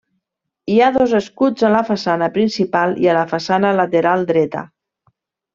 Hi ha dos escuts a la façana principal i a la façana lateral dreta.